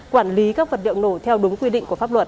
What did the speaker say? quản lý các vật liệu nổ theo đúng quy định của pháp luật